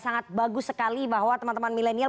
sangat bagus sekali bahwa teman teman milenial